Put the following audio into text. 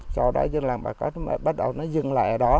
sau đó dân làng bà con bắt đầu dừng lại ở đó